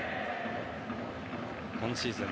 今シーズン